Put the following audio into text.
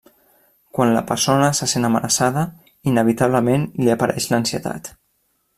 Quan la persona se sent amenaçada, inevitablement li apareix l'ansietat.